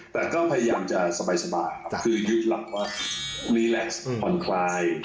แต่ก็พยายามจะสบายครับคือหยุดหลักว่ารีแล็กซ์ผ่อนควาย